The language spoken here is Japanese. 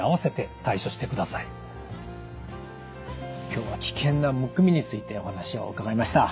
今日は危険なむくみについてお話を伺いました。